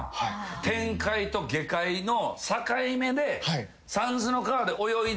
天界と下界の境目でさんずの川で泳いでる魚。